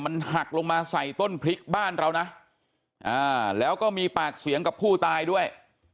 มันหักลงมาใส่ต้นพริกบ้านเรานะแล้วก็มีปากเสียงกับผู้ตายด้วย